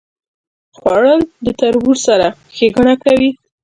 خوړل د تربور سره ښېګڼه کوي